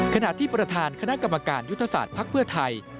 ขณะที่ประธานคณะกรรมการยุทธศาสตร์ภักดิ์เพื่อไทย